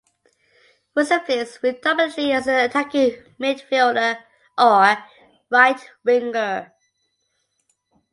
Wilson plays predominantly as an attacking midfielder or right winger.